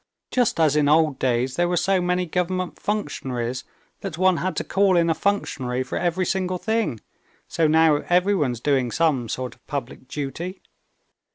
Just as in old days there were so many government functionaries that one had to call in a functionary for every single thing, so now everyone's doing some sort of public duty.